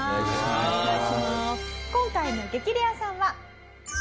今回の激レアさんは。